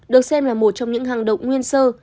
được xem là một trong những hàng động nguyên sơ